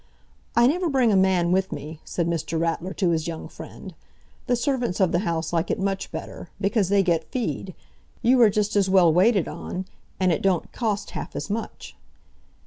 "I never bring a man with me," said Mr. Ratler to his young friend. "The servants of the house like it much better, because they get fee'd; you are just as well waited on, and it don't cost half as much."